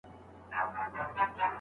آیا خپله مېوه تر پردۍ مېوې خوږه ده؟